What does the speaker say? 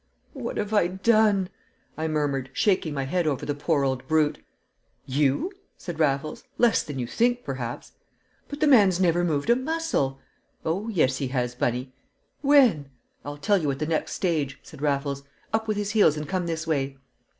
"What have I done!" I murmured, shaking my head over the poor old brute. "You?" said Raffles. "Less than you think, perhaps!" "But the man's never moved a muscle." "Oh, yes, he has, Bunny!" "When?" "I'll tell you at the next stage," said Raffles. "Up with his heels and come this way."